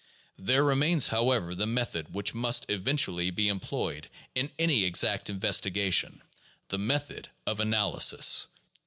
There remains, however, the method which must eventually be employed in any exact investigation, the method of analysis.